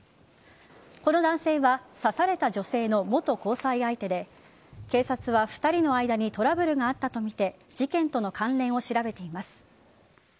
この男性は刺された女性の元交際相手で警察は２人の間にトラブルがあったとみて事件との関連を調べています。